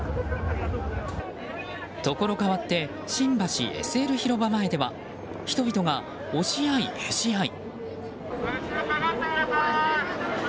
ところ変わって新橋ＳＬ広場前では人々が押し合いへし合い。